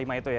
hari itu ya